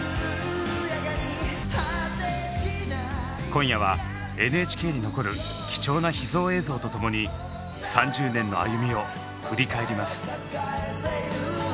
今夜はＮＨＫに残る貴重な秘蔵映像とともに３０年の歩みを振り返ります。